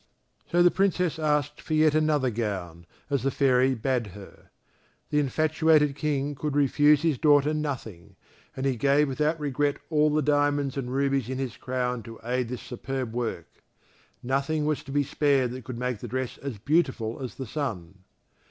So the Princess asked for yet another gown as the Fairy bade her. The infatuated King could refuse his daughter nothing, and he gave without regret all the diamonds and rubies in his crown to aid this superb work; nothing was to be spared that could make the dress as beautiful as the sun.